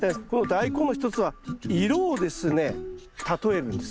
「大根」の一つは色をですね例えるんです。